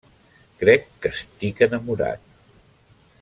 Crec que estic enamorat.